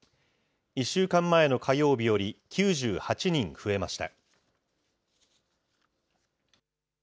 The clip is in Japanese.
１週間前の火曜日より９８人増えました。